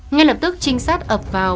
ngay lập tức trinh sát ập vào